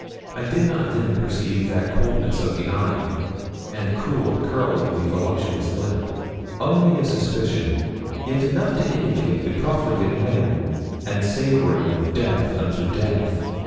I did not then perceive that coldness of the eye, and cruel curl of the voluptuous lip only a suspicion, yet enough to indicate the profligate man, and savouring of death unto death.